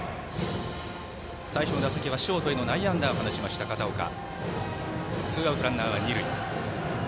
最初の打席はショートへの内野安打を放ちました、片岡。